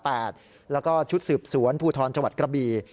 แล้วก็ชุดสืบสวนภูทรจังหวัดกระบี